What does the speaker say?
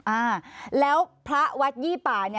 อ่าแล้วพระวัดยี่ป่า